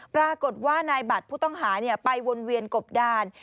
ปรากฏว่านายบัตรผู้ต้องหาไปวนเวียนกบดาน